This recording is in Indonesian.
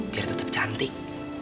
biar tetep cantik